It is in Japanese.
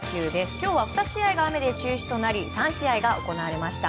今日は２試合が雨で中止となり３試合が行われました。